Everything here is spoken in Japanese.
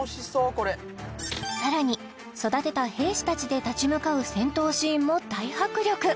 これさらに育てた兵士たちで立ち向かう戦闘シーンも大迫力